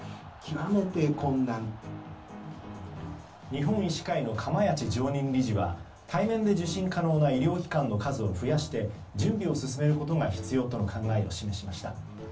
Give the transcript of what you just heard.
日本医師会の釜萢常任理事は対面で受診可能な医療機関の数を増やして準備を進めることが必要との考えを示しました。